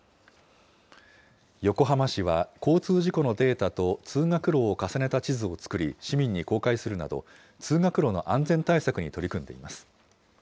横浜市は、交通事故のデータと通学路を重ねた地図を作り、市民に公開するなど、通学路の安全対策に取り組んでいます。